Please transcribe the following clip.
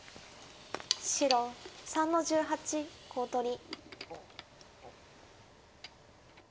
白３の十八コウ取り。